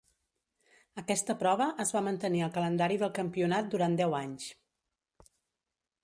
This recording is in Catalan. Aquesta prova es va mantenir al calendari del campionat durant deu anys.